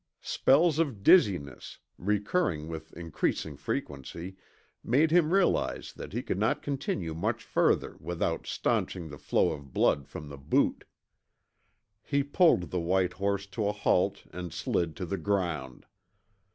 Spells of dizziness, recurring with increasing frequency, made him realize that he could not continue much further without stanching the flow of blood from the boot. He pulled the white horse to a halt and slid to the ground.